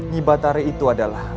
di batari itu adalah